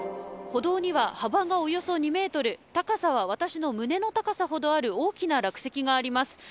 歩道には幅およそ２メートル、高さは私の胸の高さほどある大きな落石があります。